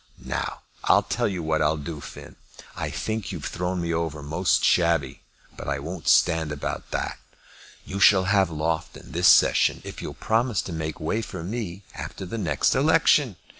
"Now, I'll tell you what I'll do, Finn. I think you have thrown me over most shabby, but I won't stand about that. You shall have Loughton this session if you'll promise to make way for me after the next election.